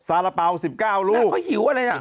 โอ้โฮน่าค่อยหิวอะไรอ่ะ